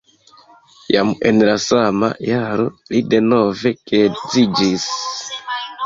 Jam en la sama jaro li denove geedziĝis.